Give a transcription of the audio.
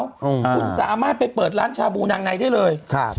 คุณสามารถไปเปิดร้านชาบูนางในได้เลยครับ